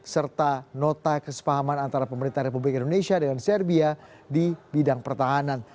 serta nota kesepahaman antara pemerintah republik indonesia dengan serbia di bidang pertahanan